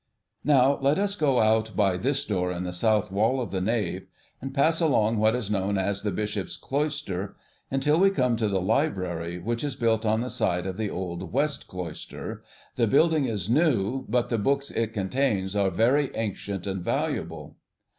Now let us go out by this door in the south wall of the nave, and pass along what is known as the 'Bishop's Cloister,' until we come to the library which is built on the site of the 'Old West Cloister.' The building is new, but the books it contains are very ancient and valuable.